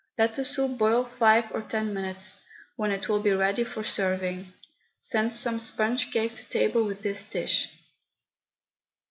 Let the soup boil five or ten minutes, when it will be ready for serving. Send some sponge cake to table with this dish.